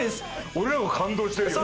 俺らも感動してるよ。